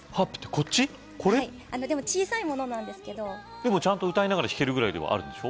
これでも小さいものなんですけどちゃんと歌いながら弾けるぐらいではあるんでしょ？